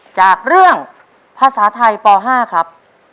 จากเรื่องภาษาไทยป๕ครับ